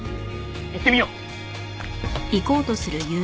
行ってみよう。